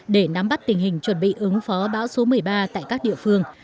để nắm bắt tình hình chuẩn bị ứng phó bão số một mươi ba tại các địa phương